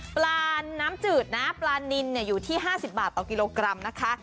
ปลาน้ำจืดนะปลานินอยู่ที่๕๐บาทต่อกิโลกรัมนะคะ